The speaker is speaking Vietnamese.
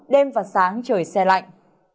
đêm và sáng trời xe lạnh